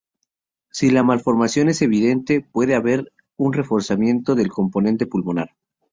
Si la malformación es evidente, puede haber un reforzamiento del componente pulmonar.